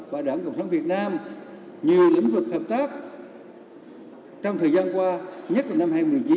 và đảng cộng sản việt nam nhiều lĩnh vực hợp tác trong thời gian qua nhất là năm hai nghìn một mươi chín